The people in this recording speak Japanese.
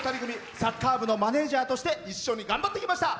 サッカー部のマネージャーとして一緒に頑張ってきました。